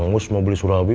kangus mau beli surabi